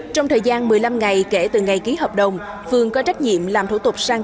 trong thời gian một mươi năm ngày kể từ ngày ký hợp đồng phương có trách nhiệm làm thủ tục sang